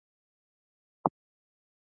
احمد جوړ دی → احمد او محمود جوړ دي